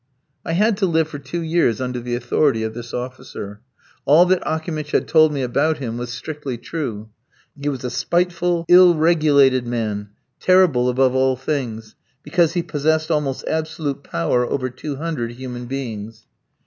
I had to live for two years under the authority of this officer. All that Akimitch had told me about him was strictly true. He was a spiteful, ill regulated man, terrible above all things, because he possessed almost absolute power over two hundred human beings.